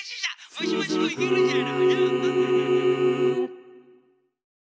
増し増しもいけるじゃろ。